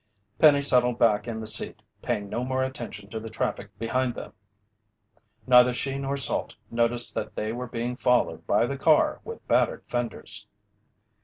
Penny settled back in the seat, paying no more attention to the traffic behind them. Neither she nor Salt noticed that they were being followed by the car with battered fenders.